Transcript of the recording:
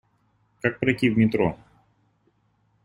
Как пройти в метро?